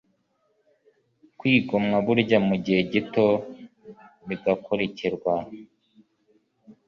kwigomwa kurya mu gihe gito bigakurikirwa